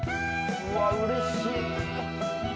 うわっうれしい！